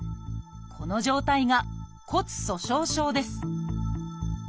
この状態が骨粗しょう症です